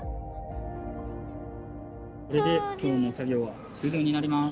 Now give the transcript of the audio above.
これで今日の作業は終りょうになります。